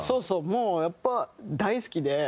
もうやっぱ大好きで。